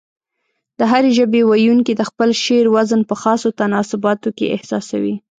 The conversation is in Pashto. د هرې ژبې ويونکي د خپل شعر وزن په خاصو تناسباتو کې احساسوي.